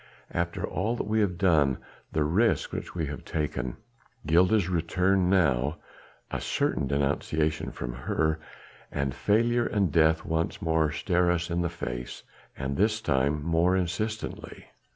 After all that we have done, the risks which we have taken, Gilda's return now a certain denunciation from her and failure and death once more stare us in the face, and this time more insistently."